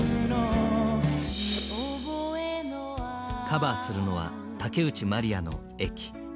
カバーするのは竹内まりやの「駅」。